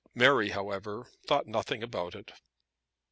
Mary, however, thought nothing about it.